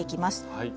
はい。